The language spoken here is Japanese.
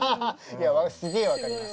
いやすげえ分かります。